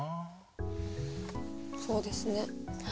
そうですね。